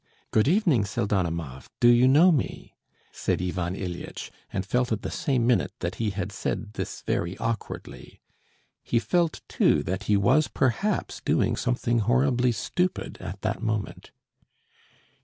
"Good evening, Pseldonimov, do you know me?" said Ivan Ilyitch, and felt at the same minute that he had said this very awkwardly; he felt, too, that he was perhaps doing something horribly stupid at that moment.